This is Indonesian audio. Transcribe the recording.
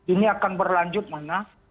ini akan berlanjut mana